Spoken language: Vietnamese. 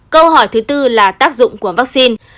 câu hỏi thứ tư là tác dụng của vaccine